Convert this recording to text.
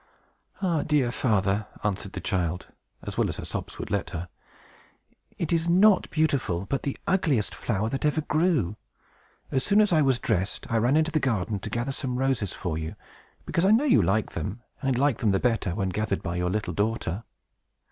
"Ah, dear father!" answered the child, as well as her sobs would let her; "it is not beautiful, but the ugliest flower that ever grew! As soon as I was dressed I ran into the garden to gather some roses for you; because I know you like them, and like them the better when gathered by your little daughter.